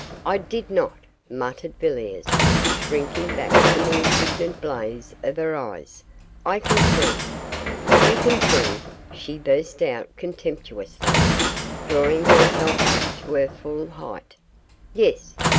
'I did not,' muttered Villiers, shrinking back from the indignant blaze of her eyes. 'I can prove ' 'You can prove,' she burst out, contemptuously, drawing herself up to her full height, 'Yes!